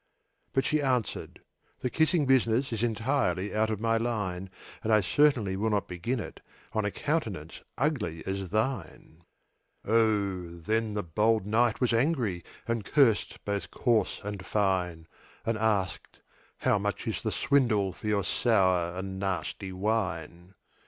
But she answered, "The kissing business Is entirely out of my line; And I certainly will not begin it On a countenance ugly as thine!" Oh, then the bold knight was angry, And cursed both coarse and fine; And asked, "How much is the swindle For your sour and nasty wine?"